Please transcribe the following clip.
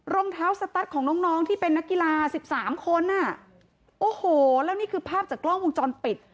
รองเท้าสตั๊ดของน้องน้องที่เป็นนักกีฬาสิบสามคนอ่ะโอ้โหแล้วนี่คือภาพจากกล้องวงจรปิด